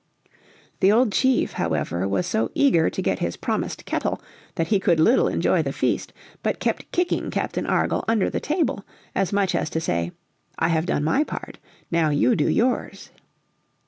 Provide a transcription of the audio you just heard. The old chief, however, was so eager to get his promised kettle that he could little enjoy the feast, but kept kicking Captain Argall under the table as much as to say, "I have done my part, now you do yours."